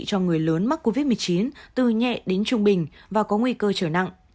cho người lớn mắc covid một mươi chín từ nhẹ đến trung bình và có nguy cơ trở nặng